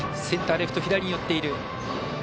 センター、レフト左に寄っている。